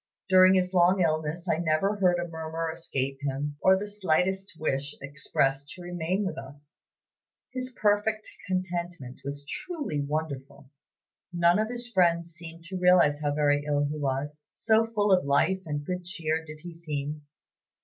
During his long illness I never heard a murmur escape him, or the slightest wish expressed to remain with us. His perfect contentment was truly wonderful. None of his friends seemed to realize how very ill he was, so full of life and good cheer did he seem.